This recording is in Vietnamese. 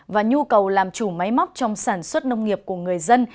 và nhu cầu làm chủ máy móc trong sản xuất nông nghiệp của người dân